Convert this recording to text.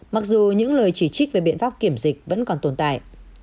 mặc dù những lời chỉ trích về biện pháp kiểm dịch vẫn còn tồn tại